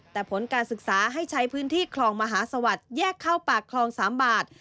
แต่ผลการศึกษาให้ใช้พื้นที่คลองมหาสวัสดิ์แยกเข้าปากคลอง๓บาท